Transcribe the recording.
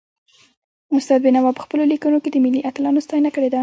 استاد بينوا په پخپلو ليکنو کي د ملي اتلانو ستاینه کړې ده.